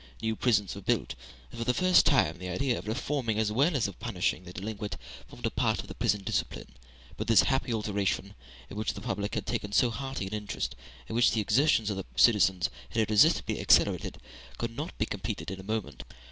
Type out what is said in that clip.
New prisons were built, and for the first time the idea of reforming as well as of punishing the delinquent formed a part of prison discipline. But this happy alteration, in which the public had taken so hearty an interest, and which the exertions of the citizens had irresistibly accelerated, could not be completed in a moment.